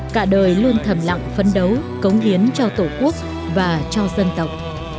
cả đời luôn thầm lặng phấn đấu cống hiến cho tổ quốc và cho dân tộc